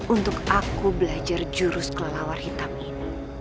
untuk aku belajar jurus kelelawar hitam ini